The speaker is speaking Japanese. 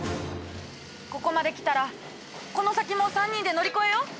ここまできたらこの先も３人で乗り越えよう！